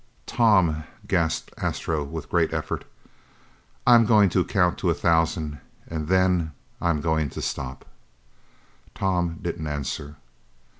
"Tom " gasped Astro with great effort, "I'm going to count to a thousand and then I'm going to stop." Tom didn't answer.